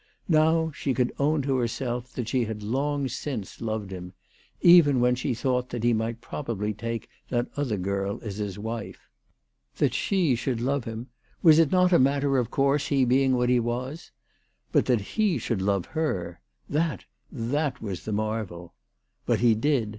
Now she could own to herself that she had long since loved him, even when she thought that he might probably take that other girl as his wife. That she should love him, was it not a matter of course, he being what he was ? But that he should love her, that, that was the marvel ! But he did.